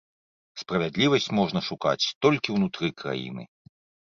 Справядлівасць можна шукаць толькі ўнутры краіны.